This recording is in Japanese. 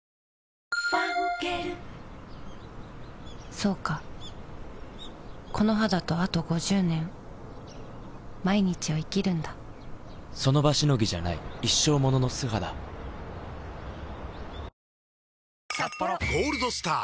そうかこの肌とあと５０年その場しのぎじゃない一生ものの素肌「ゴールドスター」！